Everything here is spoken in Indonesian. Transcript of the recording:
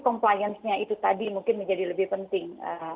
compliance nya itu tadi mungkin menjadi lebih penting